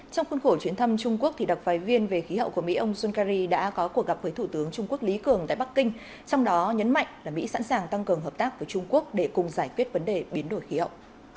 trong khuôn khổ chuyến thăm trung quốc đặc phái viên về khí hậu của mỹ ông junckeri đã có cuộc gặp với thủ tướng trung quốc lý cường tại bắc kinh trong đó nhấn mạnh là mỹ sẵn sàng tăng cường hợp tác với trung quốc để cùng giải quyết vấn đề biến đổi khí hậu